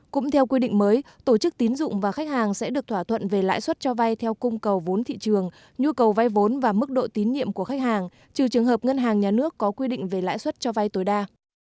cũng theo quy định mới tổ chức tín dụng và khách hàng sẽ được thỏa thuận về lãi suất cho vay theo cung cầu vốn thị trường nhu cầu vay vốn và mức độ tín nhiệm của khách hàng trừ trường hợp ngân hàng nhà nước có quy định về lãi suất cho vay tối đa